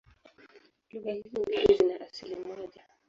Lugha hizi mbili zina asili moja.